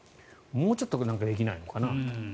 もうちょっとなんかできないのかなと。